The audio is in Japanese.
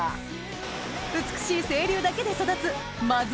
美しい清流だけで育つ真妻